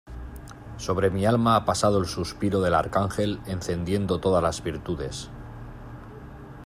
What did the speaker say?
sobre mi alma ha pasado el suspiro del Arcángel encendiendo todas las virtudes.